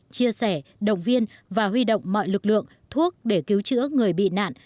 chia sẻ động viên và huy động mọi lực lượng thuốc để cứu chữa người bị nạn